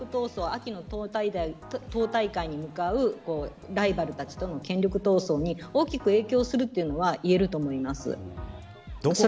秋の党大会に向かうライバルたちとの権力闘争に大きく影響するというのはいえると思います。